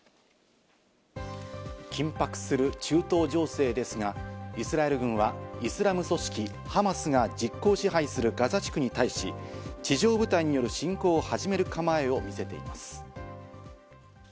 緊迫する中東情勢ですが、イスラエル軍はイスラム組織・ハマスが実効支配するガザ地区に対し、地上部隊による侵攻を始める構えを見せています。